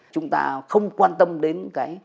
chúng ta không quan tâm đến